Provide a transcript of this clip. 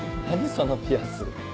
そのピアス。